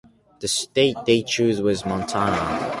The state they choose was Montana.